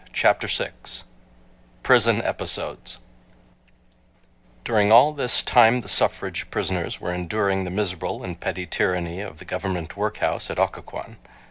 Chapter 6 Prison Episodes During all this time the suffrage prisoners were enduring the miserable and petty tyranny of the government workhouse at Occoquan.